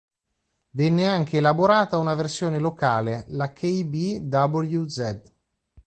Venne anche elaborata una versione locale, la Kb wz.